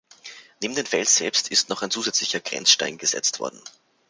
Neben den Fels selbst ist noch ein zusätzlicher Grenzstein gesetzt worden.